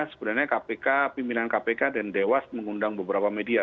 sebenarnya kpk pimpinan kpk dan dewas mengundang beberapa media